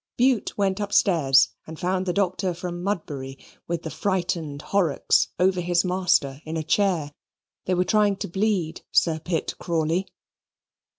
Bute went upstairs and found the Doctor from Mudbury, with the frightened Horrocks over his master in a chair. They were trying to bleed Sir Pitt Crawley.